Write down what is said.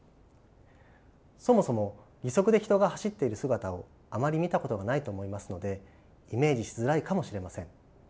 そもそも義足で人が走っている姿をあまり見たことがないと思いますのでイメージしづらいかもしれません。